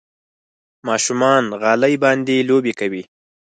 ماشومان غالۍ باندې لوبې کوي.